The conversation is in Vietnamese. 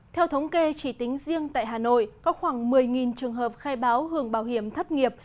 theo thống kê chỉ tính riêng tại hà nội có khoảng một mươi trường hợp khai báo hưởng bảo hiểm thất nghiệp